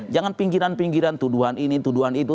jangan pinggiran pinggiran tuduhan ini tuduhan itu